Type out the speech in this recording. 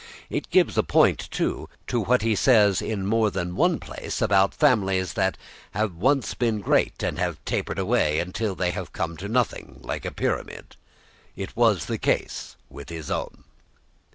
It gives a point, too, to what he says in more than one place about families that have once been great and have tapered away until they have come to nothing, like a pyramid. It was the case of his own.